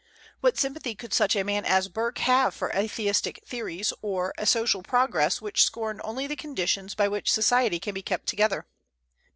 What sympathy could such a man as Burke have for atheistic theories, or a social progress which scorned the only conditions by which society can be kept together?